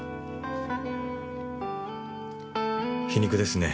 皮肉ですね